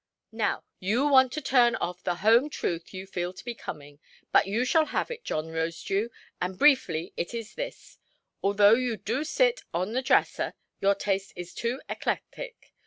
Now you want to turn off the home–truth you feel to be coming. But you shall have it, John Rosedew, and briefly, it is this: Although you do sit on the dresser, your taste is too eclectic.